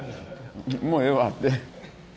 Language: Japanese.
もうええわって。